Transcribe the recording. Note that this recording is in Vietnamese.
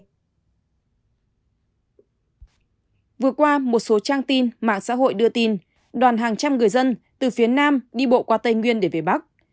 vừa qua một số trang tin mạng xã hội đưa tin đoàn hàng trăm người dân từ phía nam đi bộ qua tây nguyên để về bắc